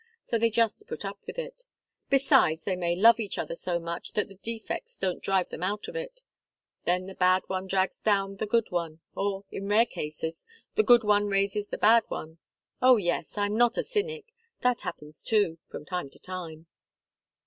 So they just put up with it. Besides, they may love each other so much that the defects don't drive them out of it. Then the bad one drags down the good one or, in rare cases, the good one raises the bad one. Oh, yes I'm not a cynic that happens, too, from time to time."